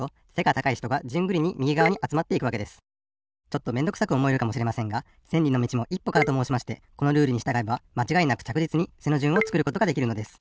ちょっとめんどくさくおもえるかもしれませんが「千里の道も一歩から」ともうしましてこのルールにしたがえばまちがいなくちゃくじつに背の順をつくることができるのです。